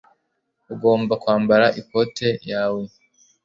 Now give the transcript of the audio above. Ugomba kwambara ikote yawe.